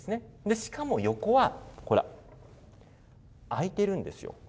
しかも横は、これ、開いてるんですよ。